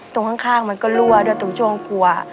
ตรงข้างมันก็รั่วด้วยตรงช่วงครัว